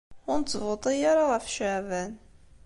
Ur nettvuṭi ara ɣef Ceεban.